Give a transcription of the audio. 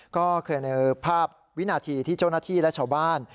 ก็คือในภาพวินาทีที่เจ้าหน้าที่และชาวบ้าน